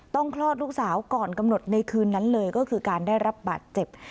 คลอดลูกสาวก่อนกำหนดในคืนนั้นเลยก็คือการได้รับบาดเจ็บ